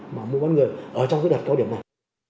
mà mỗi con người ở trong cái đợt cao điểm này